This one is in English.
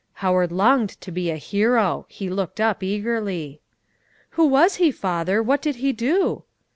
Howard longed to be a hero; he looked up eagerly. "Who was he, father? What did he do?"